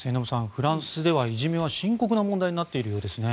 フランスではいじめは深刻な問題になっているようですね。